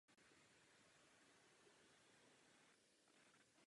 Je provozována jak pro osobní tak pro nákladní dopravu.